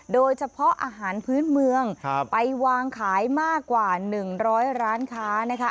โดยเฉพาะอาหารพื้นเมืองไปวางขายมากกว่า๑๐๐ร้านค้านะคะ